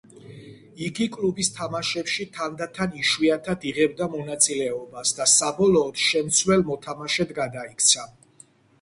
იგი კლუბის თამაშებში თანდათან იშვიათად იღებდა მონაწილეობას და საბოლოოდ შემცვლელ მოთამაშედ გადაიქცა.